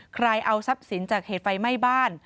ใครเอาทรัพย์สินจากเหตุไฟไหม้บ้าน